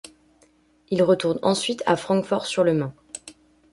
Il retourne ensuite à Francfort-sur-le-Main.